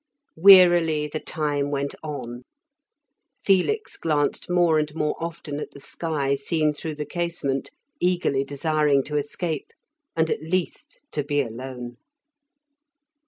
Wearily the time went on; Felix glanced more and more often at the sky seen through the casement, eagerly desiring to escape, and at least to be alone.